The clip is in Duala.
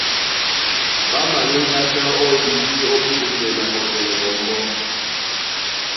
Ɓá mayéŋgá pɛ́ ó eyídí ó púlisɛ na kɔtɛlɛ ɓɔmbɔ́.